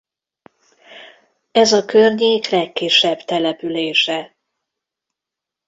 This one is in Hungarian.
Ez a környék legkisebb települése.